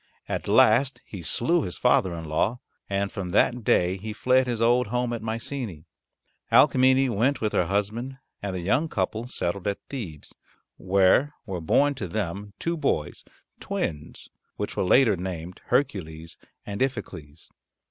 At last he slew his father in law, and from that day he fled his old home at Mycenae. Alcmene went with her husband and the young couple settled at Thebes, where were born to them two boys twins which were later named Hercules and Iphicles.